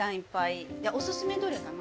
おすすめどれかな。